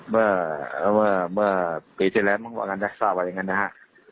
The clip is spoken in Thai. เมื่อเมื่อปีที่แล้วมั้งว่างั้นนะทราบว่าอย่างงั้นนะฮะ